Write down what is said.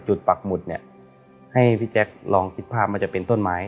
ปักหมุดเนี่ยให้พี่แจ๊คลองคิดภาพมันจะเป็นต้นไม้